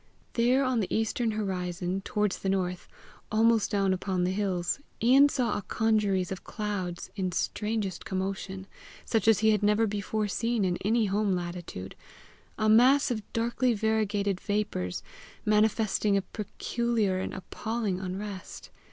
There on the eastern horizon, towards the north, almost down upon the hills, Ian saw a congeries of clouds in strangest commotion, such as he had never before seen in any home latitude a mass of darkly variegated vapours manifesting a peculiar and appalling unrest.